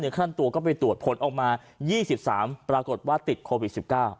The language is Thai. ขั้นตัวก็ไปตรวจผลออกมา๒๓ปรากฏว่าติดโควิด๑๙